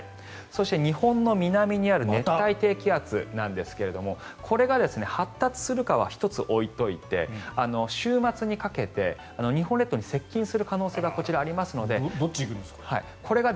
そして、日本の南にある熱帯低気圧なんですがこれが発達するかは１つ置いておいて週末にかけて日本列島に接近する可能性がありますので。